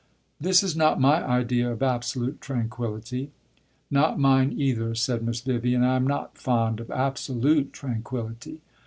"This is not my idea of absolute tranquillity." "Nor mine, either," said Miss Vivian. "I am not fond of absolute tranquillity."